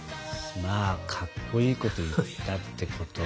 まあかっこいいこと言ったってこと。